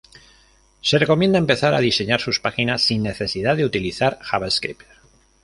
Se recomienda empezar a diseñar sus páginas sin necesidad de utilizar JavaScript.